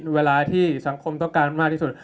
เวลาที่สังคมต้องการมากที่สุด